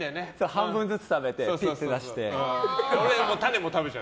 半分ずつ食べて、ぺって出して。